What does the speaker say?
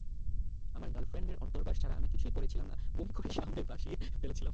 আমার গার্লফ্রেন্ডের অন্তর্বাস ছাড়া আমি কিছুই পরেছিলাম না, বমি করে সামনে ভাসিয়ে ফেলেছিলাম।